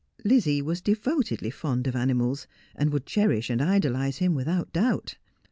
Lizzie was devotedly fond of animals, and would cherish and idolize him, without doubt.